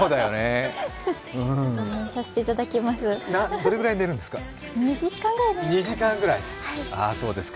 どれくらい寝るんですか？